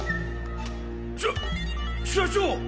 しゃ社長！？